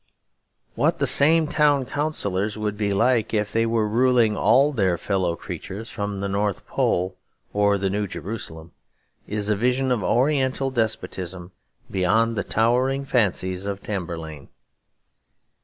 What the same town councillors would be like if they were ruling all their fellow creatures from the North Pole or the New Jerusalem, is a vision of Oriental despotism beyond the towering fancies of Tamberlane.